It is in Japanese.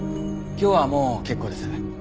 今日はもう結構です。